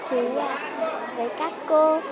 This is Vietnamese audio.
quà của các chú với các cô